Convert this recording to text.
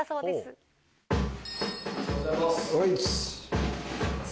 おはようございます。